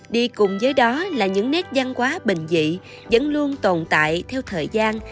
đi cùng với đó là những nét văn hóa bình dị vẫn luôn tồn tại theo thời gian